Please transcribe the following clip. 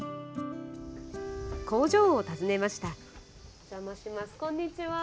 工場を訪ねました。